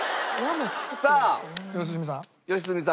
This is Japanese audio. さあ良純さん。